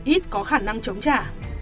ít có khả năng chống trả